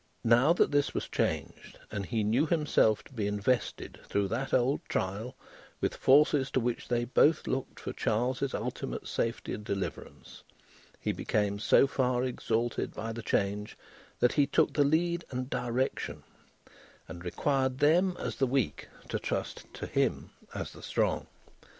Now that this was changed, and he knew himself to be invested through that old trial with forces to which they both looked for Charles's ultimate safety and deliverance, he became so far exalted by the change, that he took the lead and direction, and required them as the weak, to trust to him as the strong.